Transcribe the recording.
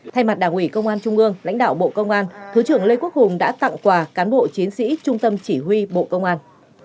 thay mặt đảng ủy công an trung ương lãnh đạo bộ công an thứ trưởng lê quốc hùng đã tặng quà cán bộ chiến sĩ trung tâm chỉ huy bộ công an